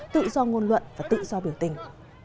tự do ngôn luận và tự do biểu tình